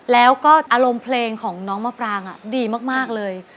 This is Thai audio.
แล้วก็อารมณ์เพลงของน้องมะปรางดีมากเลย